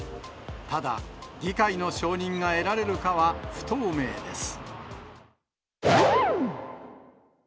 ただ、議会の承認が得られるかは不透明です。